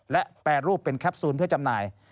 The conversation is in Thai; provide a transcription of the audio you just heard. และแปรรูปเป็นแคปซูลเพื่อจำหน่าย